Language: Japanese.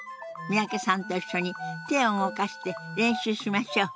三宅さんと一緒に手を動かして練習しましょう。